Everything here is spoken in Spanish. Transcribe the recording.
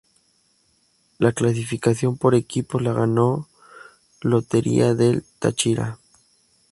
La clasificación por equipos la ganó Lotería del Táchira.